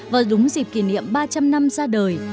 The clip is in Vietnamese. và đúng dịp kỷ niệm ba trăm linh năm ra đời